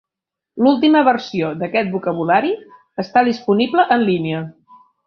L'última versió d'aquest vocabulari està disponible en línia.